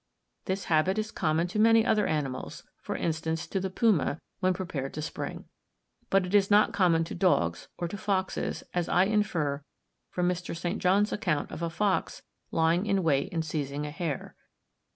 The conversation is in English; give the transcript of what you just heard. This habit is common to many other animals—for instance, to the puma, when prepared to spring; but it is not common to dogs, or to foxes, as I infer from Mr. St. John's account of a fox lying in wait and seizing a hare.